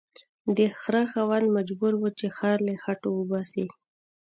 د خره خاوند مجبور و چې خر له خټو وباسي